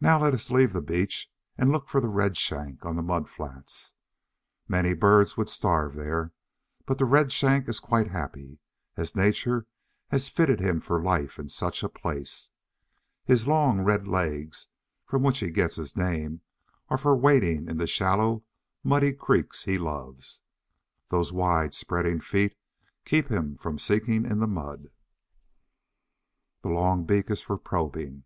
Now let us leave the beach and look for the Redshank on the mud flats. Many birds would starve there, but the Redshank is quite happy, as Nature has fitted him for his life in such a place. His long, red legs from which he gets his name are for wading in the shallow, muddy creeks he loves. Those wide spreading feet keep him from sinking in the mud. The long beak is for probing.